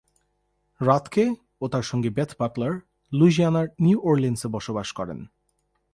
রাথকে ও তার সঙ্গী বেথ বাটলার লুইজিয়ানার নিউ অরলিন্সে বসবাস করেন।